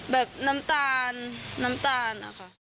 แบบน้ำตาล